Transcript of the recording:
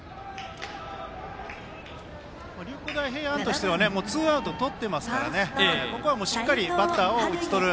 大平安としてはツーアウトとっていますからここはしっかりバッターを打ち取る。